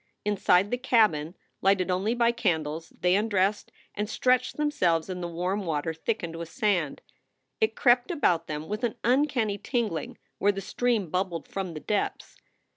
Inside the cabin, lighted only by candles, they undressed and stretched them selves in the warm water thickened with sand. It crept about them with an uncanny tingling where the stream bubbled from the depths.